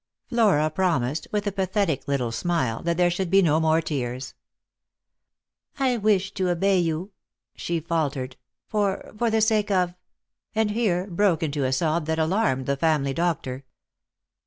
'' Flora promised, with a pathetic little smile, that there should be no more tears. " I wish to obey you," she faltered, " for — for the sake of " And here broke into a sob that alarmed the family doctor.